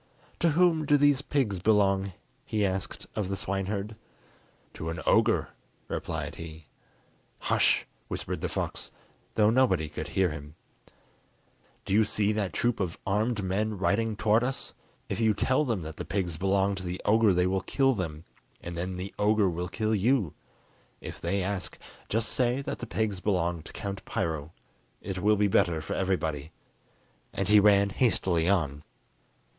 "To whom do these pigs belong?" he asked of the swineherd. "To an ogre," replied he. "Hush!" whispered the fox, though nobody could hear him; "do you see that troop of armed men riding towards us? If you tell them that the pigs belong to the ogre they will kill them, and then the ogre will kill you! If they ask, just say that the pigs belong to Count Piro; it will be better for everybody." And he ran hastily on.